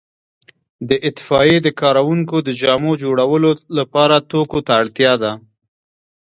د اطفائیې د کارکوونکو د جامو جوړولو لپاره توکو ته اړتیا ده.